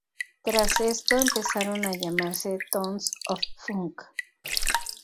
Tras esto empezaron a llamarse Tons Of Funk.